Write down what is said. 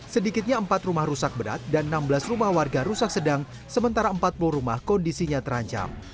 sedikitnya empat rumah rusak berat dan enam belas rumah warga rusak sedang sementara empat puluh rumah kondisinya terancam